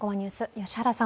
良原さん